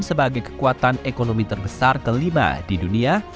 sebagai kekuatan ekonomi terbesar kelima di dunia